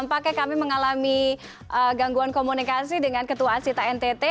oke pak abed nampaknya kami mengalami gangguan komunikasi dengan ketua asita ntt